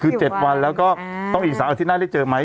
คือ๗วันแล้วก็ต้องอีก๓อาทิตย์หน้าได้เจอไหม